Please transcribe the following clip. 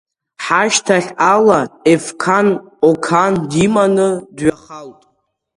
Ҳашьҭахь ала, Ефқан Оқан диманы дҩхалт.